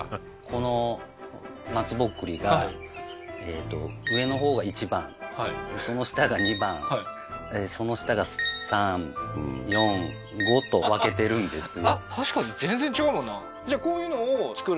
この松ぼっくりが上のほうが１番その下が２番その下が３４５と分けてるんですよ